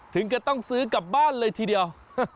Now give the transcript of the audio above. ถึงก็ต้องซื้อกลับบ้านเลยทีเดียว